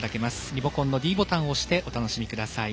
リモコンのｄボタンを押してお楽しみください。